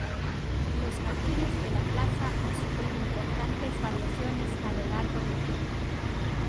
Los jardines de la plaza han sufrido importantes variaciones a lo largo del tiempo.